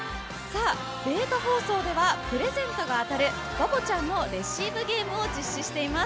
データ放送ではプレゼントが当たるバボちゃんのレシーブゲームを実施しています。